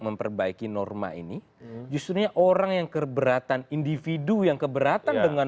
memperbaiki norma ini justru orang yang keberatan individu yang keberatan dengan